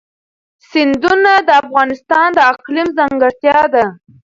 سیندونه د افغانستان د اقلیم ځانګړتیا ده.